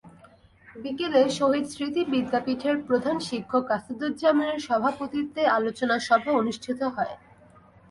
বিকেলে শহীদ স্মৃতি বিদ্যাপীঠের প্রধান শিক্ষক আসাদুজ্জামানের সভাপতিত্বে আলোচনা সভা অনুষ্ঠিত হয়।